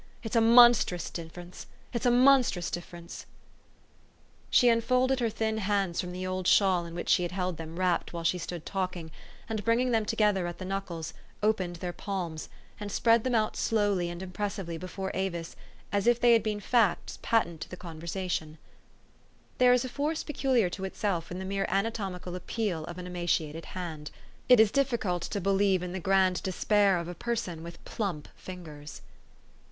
It's a monstrous difference ! It's a monstrous difference !'' She unfolded her thin hands from the old shawl in which she had held them wrapped while she stood talking, and, bringing them together at the knuckles, opened their palms, and spread them out slowly and impressively before Avis ; as if they had been facts patent to the conversation. THE STORY OF AVIS. 299 There is a force peculiar to itself in the mere anatomical appeal of an emaciated hand. It is dif ficult to believe in the grand despair of a person with plump fingers.